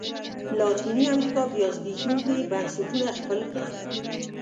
لاتینې امریکا بیا زبېښونکي بنسټونه خپل کړل.